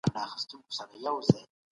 هغه د څېړنې لپاره مواد راټولوي.